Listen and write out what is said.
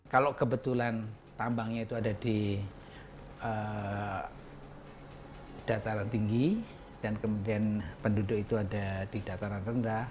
kalau kebetulan tambangnya itu ada di dataran tinggi dan kemudian penduduk itu ada di dataran rendah